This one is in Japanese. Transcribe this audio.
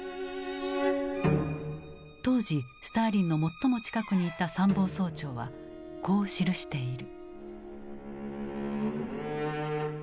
当時スターリンの最も近くにいた参謀総長はこう記している。